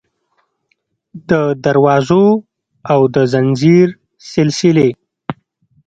د دروازو او د ځنځیر سلسلې